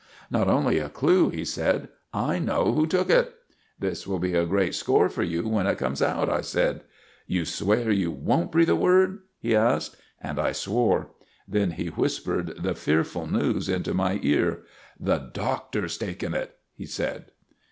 "Not only a clue," he said, "I know who took it!" "This will be a great score for you when it comes out," I said. "You swear you won't breathe a word?" he asked. And I swore. Then he whispered the fearful news into my ear. "The Doctor's taken it!" he said.